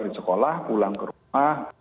di sekolah pulang ke rumah